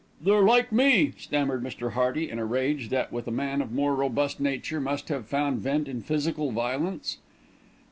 "They're they're like me," stammered Mr. Hearty in a rage that, with a man of more robust nature, must have found vent in physical violence.